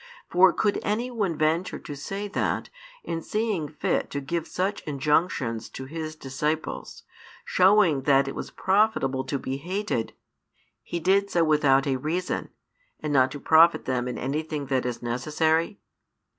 For could any one venture to say that, in seeing fit to give such injunctions to His disciples, showing that it was profitable to be hated, He did so without a reason, and not to profit them in any thing that is necessary?